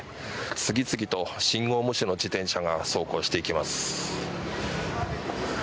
次々と信号無視の自転車が走行していきます。